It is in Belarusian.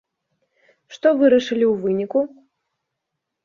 Што вырашылі ў выніку?